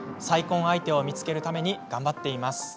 再婚相手を見つけるために頑張っています。